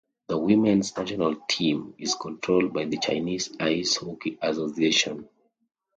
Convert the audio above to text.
The women's national team is controlled by the Chinese Ice Hockey Association.